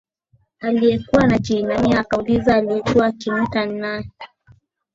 Aliyekuwa amejiinamia akauliza aliyekuwa akimwita ni nani